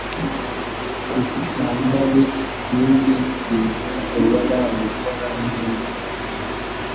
Gushushanya ni ikindi kintu nshobora gukora neza